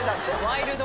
ワイルド！